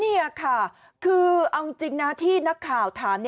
นี่ค่ะคือเอาจริงนะที่นักข่าวถาม